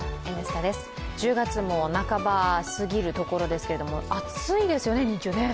１０月も半ばすぎるところですけれども、暑いですよね、日中。